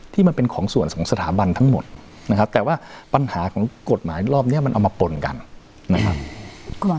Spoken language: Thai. ที่มันเป็นของส่วนของสถาบันทั้งหมดนะครับแต่ว่าปัญหาของกฎหมายรอบนี้มันเอามาป่นกันนะครับ